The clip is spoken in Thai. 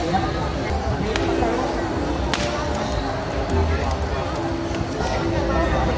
คับจับแล้วกันมาหมีว่าใช้ไว้ด้วยมันรู้ว่า